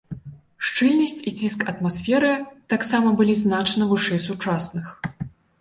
Шчыльнасць і ціск атмасферы таксама былі значна вышэй сучасных.